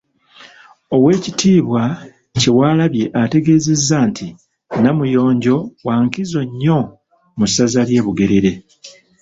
Oweekitiibwa Kyewalabye ategeezezza nti Namuyonjo wa nkizo nnyo mu ssaza ly’e Bugerere.